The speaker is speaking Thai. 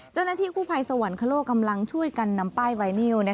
เจ้าหน้าที่คู่ภัยสวรรคโลกกำลังช่วยกันนำป้ายไวนิว